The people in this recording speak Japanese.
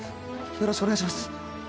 よろしくお願いします